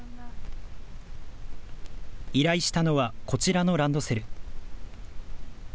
依頼したのはこちらのランドセル。